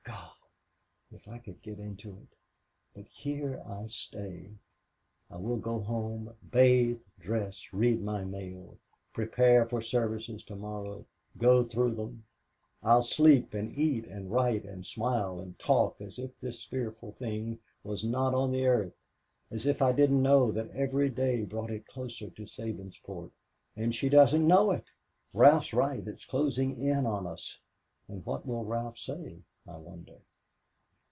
God! if I could get into it. But here I stay. I will go home bathe dress read my mail prepare for services to morrow go through them. I'll sleep and eat and write and smile and talk as if this fearful thing was not on the earth as if I didn't know that every day brought it closer to Sabinsport and she doesn't know it. Ralph's right it's closing in on us. And what will Ralph say, I wonder."